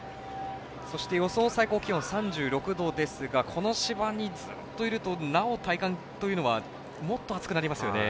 そして予想最高気温３６度ですがこの芝にずっといるとなお体感というのはもっと暑くなりますよね。